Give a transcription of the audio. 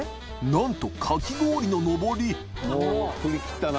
覆鵑かき氷ののぼり發振り切ったな。